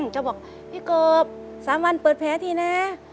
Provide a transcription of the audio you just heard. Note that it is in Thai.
จะบอกพี่กบ๓วันเปิดแผลทีนะ